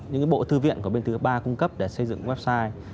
những bộ thư viện của bên thứ ba cung cấp để xây dựng website